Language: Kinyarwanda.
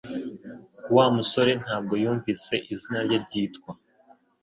Wa musore ntabwo yumvise izina rye ryitwa